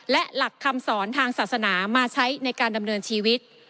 และหลักคำสอนทางศาสนามาใช้ในการดำเนินชีวิต